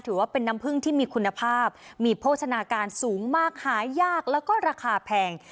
ถือว่าเป็นน้ำพึ่งที่มีคุณภาพมีโภชนาการสูงมากหายากแล้วก็ราคาแพง